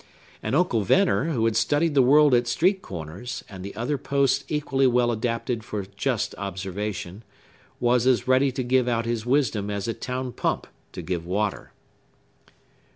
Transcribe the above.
And Uncle Venner, who had studied the world at street corners, and other posts equally well adapted for just observation, was as ready to give out his wisdom as a town pump to give water.